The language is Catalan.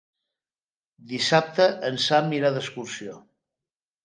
Dissabte en Sam irà d'excursió.